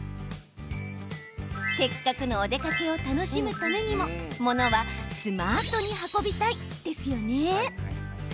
せっかくのお出かけを楽しむためにもものはスマートに運びたいですよね。